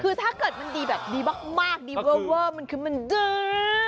คือถ้าเกิดมันดีแบบดีมากดีเวอร์มันคือมันดื้อ